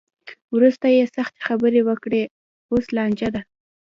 وروسته یې سختې خبرې وکړې؛ اوس لانجه ده.